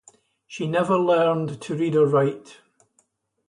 She never learned to read or write.